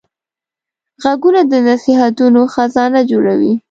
غوږونه د نصیحتو خزانه جوړوي